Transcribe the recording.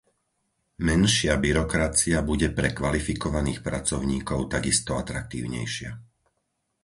Menšia byrokracia bude pre kvalifikovaných pracovníkov takisto atraktívnejšia.